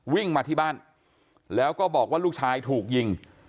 วิ่งมาที่บ้านแล้วก็บอกว่าลูกชายถูกยิง